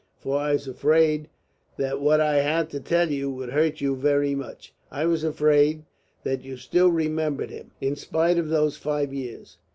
For I was afraid that what I had to tell you would hurt you very much. I was afraid that you still remembered him, in spite of those five years.